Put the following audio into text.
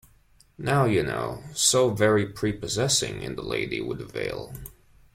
Now, you know, so very prepossessing in the lady with the veil!